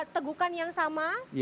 tegukan yang sama